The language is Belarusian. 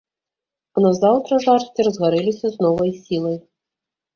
А назаўтра жарсці разгарэліся з новай сілай.